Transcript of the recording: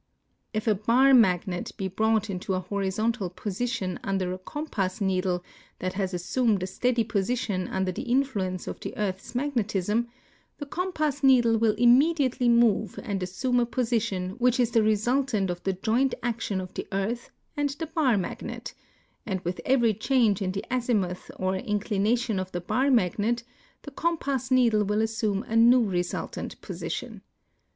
If a bar magnet bel)rought into a horizontal position un<Ier a compass needle that has assumed a steady j)osition under tlie influence of the earth's magnetism, the compass needle will im mediately move and assume a position which is the resultant of the joint action of the earth and the bar magnet ; and with cvcrv change in the azimuth or inclination of the bar magnet the com pass needle will assume a new resultant position.